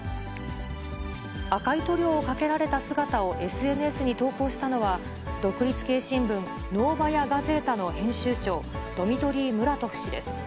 赤い塗料をかけられた姿をＳＮＳに投稿したのは、独立系新聞、ノーバヤ・ガゼータの編集長、ドミトリー・ムラトフ氏です。